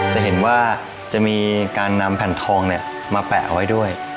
จะเห็นว่าจะมีการนำแผ่นทองมาแปะเอาไว้ด้วย